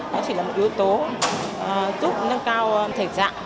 nó chỉ là một yếu tố giúp nâng cao thể dạng